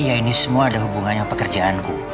iya ini semua ada hubungannya dengan pekerjaanku